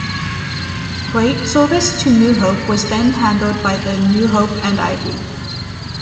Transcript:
Freight service to New Hope was then handled by the New Hope and Ivyland.